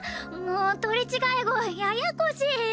もう取り違え子はややこしい！